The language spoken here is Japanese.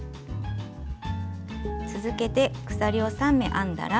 続けて鎖を３目編んだら。